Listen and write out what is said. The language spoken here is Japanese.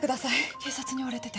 警察に追われてて。